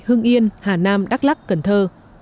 hương yên hà nam đắk lắc cần thơ